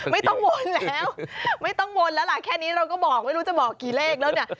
ไม่ต้องวนแล้วไม่ต้องวนแล้วล่ะแค่นี้เราก็บอกไม่รู้จะบอกกี่เลขแล้วเนี่ย